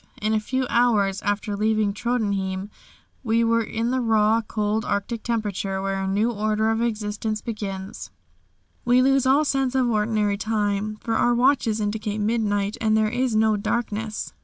In a few hours after leaving Tröndhjem we were in the raw, cold Arctic temperature where a new order of existence begins. We lose all sense of ordinary time, for our watches indicate midnight, and there is no darkness.